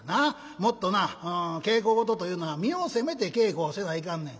もっとな稽古事というのは身を責めて稽古をせないかんねん。